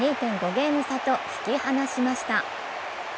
ゲーム差と引き離しました。